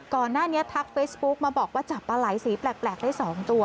ก่อนหน้านี้ทักเฟซบุ๊กมาบอกว่าจับปลาไหล่สีแปลกได้สองตัว